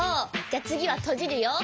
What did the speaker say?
じゃつぎはとじるよ。